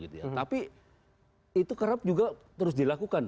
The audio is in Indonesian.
tapi itu kerap juga terus dilakukan